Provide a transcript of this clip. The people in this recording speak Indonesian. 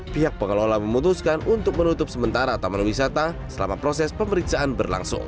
pihak pengelola memutuskan untuk menutup sementara taman wisata selama proses pemeriksaan berlangsung